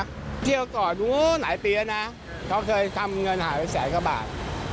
เที่ยวก่อนนู้นหลายปีแล้วนะเขาเคยทำเงินหายไปแสนกว่าบาท